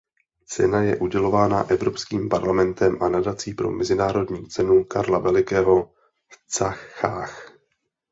Cena je udělována Evropským parlamentem a Nadací pro Mezinárodní cenu Karla Velikého v Cáchách.